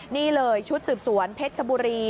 นี่เลยชุดสืบสวนเพชรชบุรี